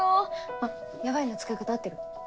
あっ「やばい」の使い方合ってる？